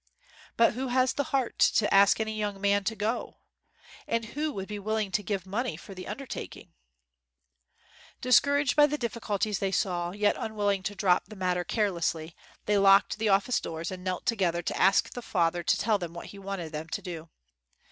But who has the heart to ask any young man to go? And who would be willing to give money for the undertaking?" 22 AFTER THE NEWS WAS READ Discouraged by the difficulties they saw, yet unwilling to drop the matter carelessly, the} r locked the office doors and knelt to gether to ask the Father to tell them what He wanted them to do.